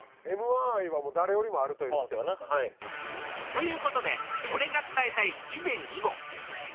という事で俺が伝えたい以前以後